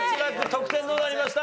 得点どうなりました？